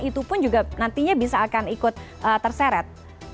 itu pun juga nantinya bisa akan ikut terseret